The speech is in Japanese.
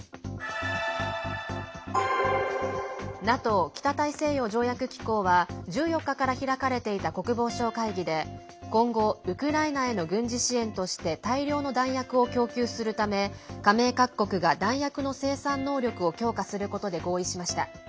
ＮＡＴＯ＝北大西洋条約機構は１４日から開かれていた国防相会議で、今後ウクライナへの軍事支援として大量の弾薬を供給するため加盟各国が弾薬の生産能力を強化することで合意しました。